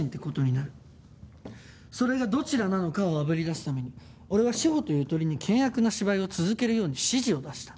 それがどちらなのかをあぶり出すために俺は志法とゆとりに険悪な芝居を続けるように指示を出した。